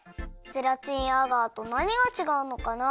ゼラチンやアガーとなにがちがうのかな？